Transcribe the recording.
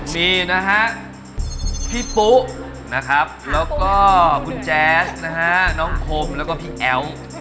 มีนะฮะพี่ปุ๊นะครับแล้วก็คุณแจ๊สนะฮะน้องคมแล้วก็พี่แอ๋ว